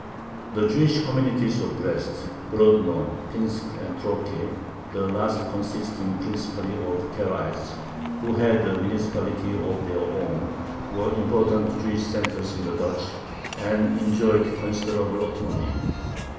The Jewish communities of Brest, Grodno, Pinsk, and Troki, the last consisting principally of Karaites, who had a municipality of their own, were important Jewish centers in the Duchy, and enjoyed considerable autonomy.